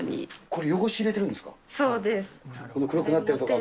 これ汚し入れてるんですか。